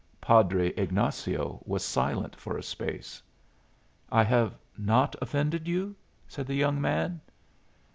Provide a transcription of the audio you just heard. Padre Ignazio was silent for a space. "I have not offended you?" said the young man.